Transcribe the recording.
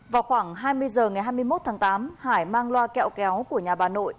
vào khoảng hai mươi h ngày hai mươi một tháng tám hải mang loa kẹo kéo của nhà bà nội